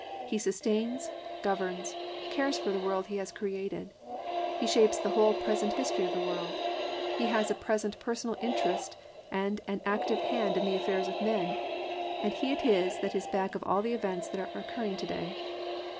He sustains, governs, cares for the world He has created, He shapes the whole present history of the world. He has a present personal interest and an active hand in the affairs of men and He it is that is back of all the events that are occurring to day.